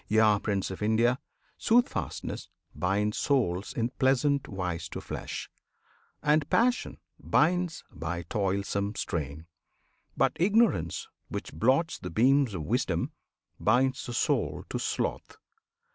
Yea, Prince of India! Soothfastness binds souls In pleasant wise to flesh; and Passion binds By toilsome strain; but Ignorance, which blots The beams of wisdom, binds the soul to sloth.